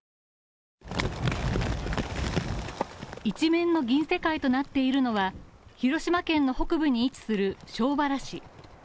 一面の銀世界となっているのは広島県の北部に位置する庄原市。